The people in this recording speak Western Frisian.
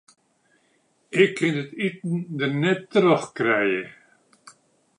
Ik kin it iten der net troch krije.